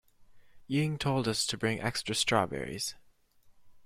Ying told us to bring extra strawberries.